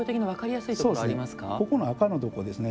ここの赤のところですね。